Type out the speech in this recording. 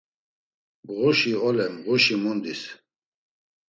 Mğuşi ole mğuşi mundis.